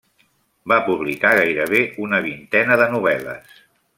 Va publicar gairebé una vintena de novel·les.